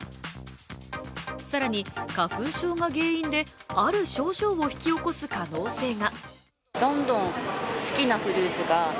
更に、花粉症が原因である症状を引き起こす可能性が。